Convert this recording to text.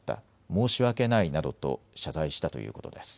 申し訳ないなどと謝罪したということです。